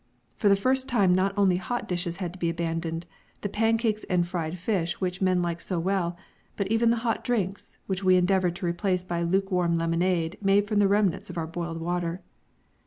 For the first time not only hot dishes had to be abandoned, the pancakes and fried fish which the men like so well, but even the hot drinks, which we endeavoured to replace by lukewarm lemonade made from the remnants of our boiled water.